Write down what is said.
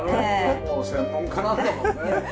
もう専門家なんだもんね。